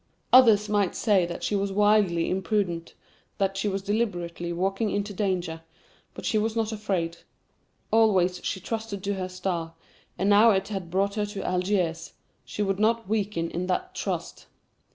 Others might say that she was wildly imprudent, that she was deliberately walking into danger; but she was not afraid. Always she trusted to her star, and now it had brought her to Algiers, she would not weaken in that trust.